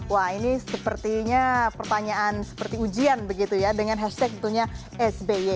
wah ini sepertinya pertanyaan seperti ujian begitu ya dengan hashtag tentunya sby